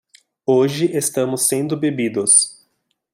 Hoje estamos sendo bebidos